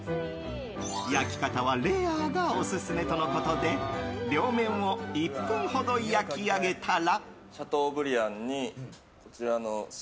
焼き方はレアがオススメとのことで両面を１分ほど焼き上げたら。